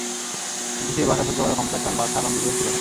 কিন্তু সেই ভাষা সহ্য করার ক্ষমতা স্বয়ং বাদশাহ আলমগীরেরও ছিল না।